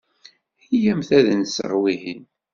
Iyyamt ad d-nseɣ wihin.